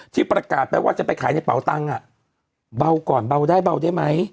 ที่ประกาศไปว่าจะไปขายในเป๋าตังค์เบาก่อนเบาได้เบาได้ไหม